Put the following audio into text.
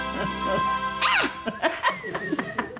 ハハハハ。